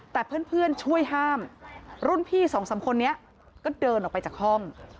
แต่เพื่อนช่วยห้ามรุ่นพี่สองสามคนนี้ก็เดินออกไปจากห้อง